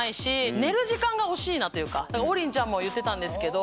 王林ちゃんも言ってたんですけど。